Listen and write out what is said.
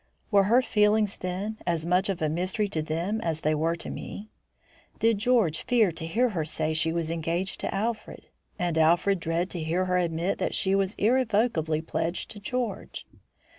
Were her feelings, then, as much of a mystery to them as they were to me? Did George fear to hear her say she was engaged to Alfred, and Alfred dread to hear her admit that she was irrevocably pledged to George?